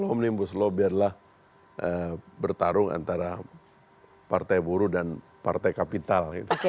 omnibus law biarlah bertarung antara partai buruh dan partai kapital